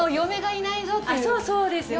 そうそうですね。